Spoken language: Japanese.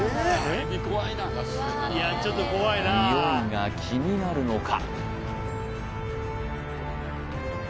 ニオイが気になるのか？